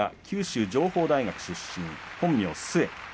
九州情報大学出身本名、末。